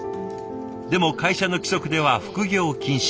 でも会社の規則では副業禁止。